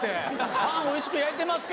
パンおいしく焼いてますか？